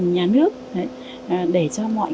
nhà nước để cho mọi